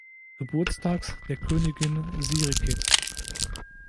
Geburtstags der Königin Sirikit.